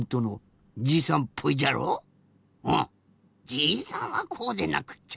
じいさんはこうでなくっちゃ。